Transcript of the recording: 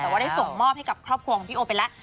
แต่ว่าได้ส่งมอบให้กับครอบครัวของพี่โอไปแล้ว